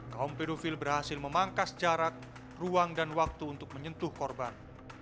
kaum pedofil berhasil memangkas jarak ruang dan waktu untuk menyentuh korban